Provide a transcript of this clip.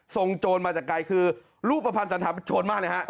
โจรมาจากไกลคือรูปภัณฑ์สันธาประโชนมากเลยฮะ